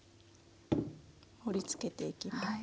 盛りつけていきます。